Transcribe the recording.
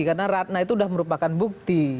karena ratna itu sudah merupakan bukti